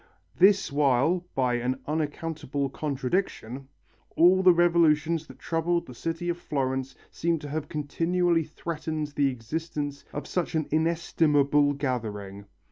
This while, by an unaccountable contradiction, all the revolutions that troubled the city of Florence seem to have continually threatened the existence of such an inestimable gathering."